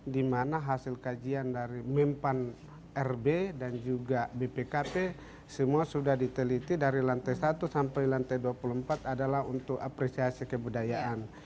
di mana hasil kajian dari mempan rb dan juga bpkp semua sudah diteliti dari lantai satu sampai lantai dua puluh empat adalah untuk apresiasi kebudayaan